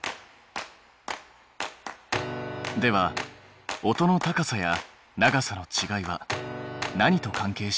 では音の高さや長さのちがいは何と関係しているのかな？